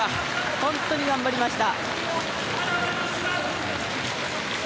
本当に頑張りました。